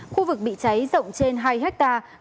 khu vực bị cháy rộng trên hai hectare